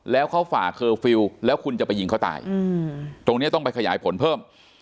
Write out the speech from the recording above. แล้วเขาฝ่าเคอร์ฟิลล์แล้วคุณจะไปยิงเขาตายตรงนี้ต้องไปขยายผลเพิ่ม